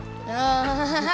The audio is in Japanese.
アハハハハ。